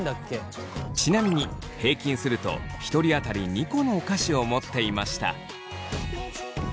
ちなみに平均すると１人当たり２個のお菓子を持っていました。